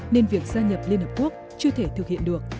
nên việc gia nhập liên hợp quốc chưa thể thực hiện được